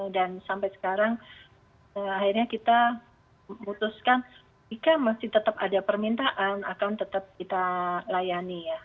dan sampai sekarang akhirnya kita memutuskan jika masih tetap ada permintaan akan tetap kita layani ya